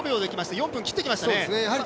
４分切ってきましたね。